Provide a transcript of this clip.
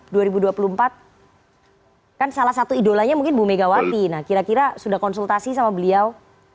group dua ribu dua puluh empat kan salah satu idolanya mungkin bumegawati kira kira sudah konsultasi sama beliau